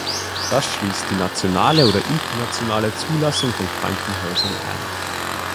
Das schließt die nationale oder internationale Zulassung von Krankenhäusern ein.